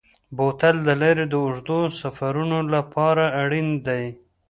بوتل د لارې د اوږدو سفرونو لپاره اړین دی.